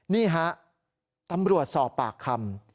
นี่ฮะตำรวจสอบปากคำ